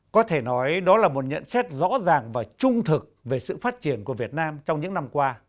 có thể nói đó là một nhận xét rõ ràng và trung thực về sự phát triển của việt nam trong những năm qua